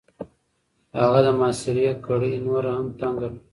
هغه د محاصرې کړۍ نوره هم تنګ کړه.